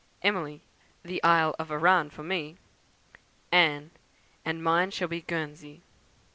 "Emily. 'The Isle of Arran for me.' "Anne. 'And mine shall be Guernsey.'